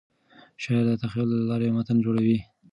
شاعر د تخیل له لارې متن جوړوي.